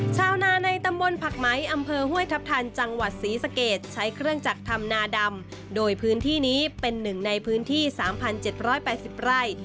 ชาวนาในตำบลผักไหมอำเภอห้วยทัพทันจังหวัดศรีสะเกดใช้เครื่องจักรทำนาดำโดยพื้นที่นี้เป็นหนึ่งในพื้นที่๓๗๘๐ไร่